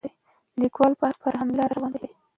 لیکوال پر همدې لاره روان دی.